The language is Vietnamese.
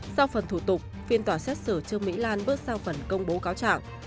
sau phần thủ tục phiên tòa xét xử trương mỹ lan bước sang phần công bố cáo trạng